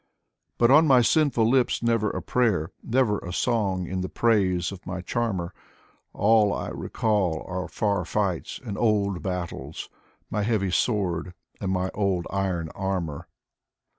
But on my sinful lips never a prayer, Never a song in the praise of my charmer; All I recall are far fights and old battles. My heavy sword and my old iron armor.